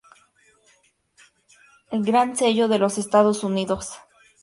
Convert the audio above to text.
Gran Sello de los Estados Unidos